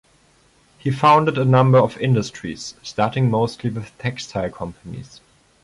He founded a number of industries, starting mostly with textile companies.